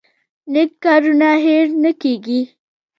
نیک کارونه هیر نه کیږي